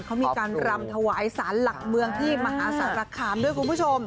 เขามีการรำถวายสารหลักเมืองที่มหาสารคามด้วยคุณผู้ชม